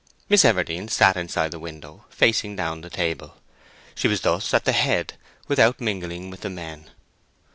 Miss Everdene sat inside the window, facing down the table. She was thus at the head without mingling with the men.